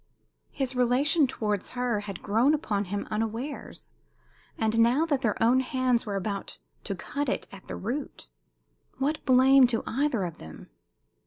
His relation towards her had grown upon him unawares, and now their own hands were about to cut it at the root. What blame to either of them?